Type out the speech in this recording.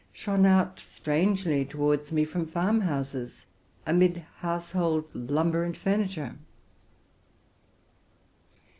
shone out strangely towards me, from farmhouses, amidst household lumber and furniture.